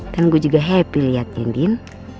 kan gue juga happy liat gendin